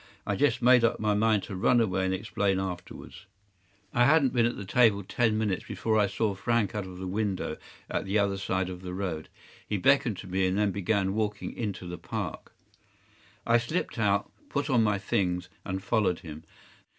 I just made up my mind to run away and explain afterwards. I hadn’t been at the table ten minutes before I saw Frank out of the window at the other side of the road. He beckoned to me, and then began walking into the Park. I slipped out, put on my things, and followed him.